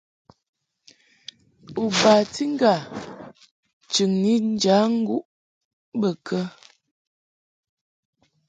U bati ŋgâ chɨŋni njaŋguʼ bə kə ?